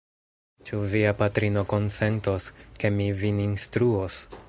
Ĉu via patrino konsentos, ke mi vin instruos?